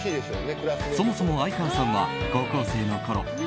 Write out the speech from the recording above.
そもそも相川さんは高校生のころ